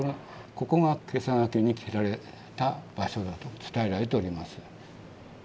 ここがけさ懸けに切られた場所だと伝えられております。